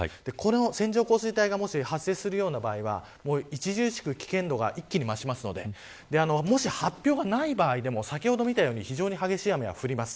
線状降水帯が発生するような場合は著しく危険度が増しますのでもし発表がない場合でも非常に激しい雨が降ります。